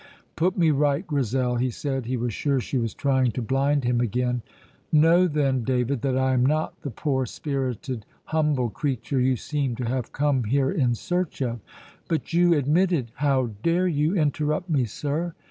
"Put me right, Grizel," he said. He was sure she was trying to blind him again. "Know, then, David, that I am not the poor spirited, humble creature you seem to have come here in search of " "But you admitted " "How dare you interrupt me, sir!